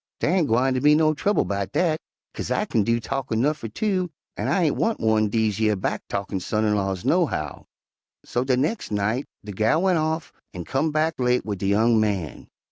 'Dar ain' gwine be no trouble 'bout dat, 'kase I kin do talkin' 'nuff fer two, an' I ain' want one dese yer back talkin' son in laws, nohow.' "So de nex' night de gal went off an' comed back late wid de young man.